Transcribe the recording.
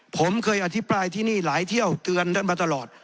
ผมเคยอภิปรายที่นี่หลายเที่ยวเตือนท่านมาตลอด